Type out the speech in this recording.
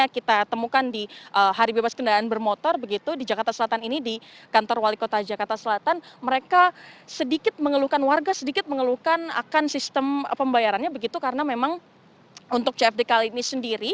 yang kita temukan di hari bebas kendaraan bermotor begitu di jakarta selatan ini di kantor wali kota jakarta selatan mereka sedikit mengeluhkan warga sedikit mengeluhkan akan sistem pembayarannya begitu karena memang untuk cfd kali ini sendiri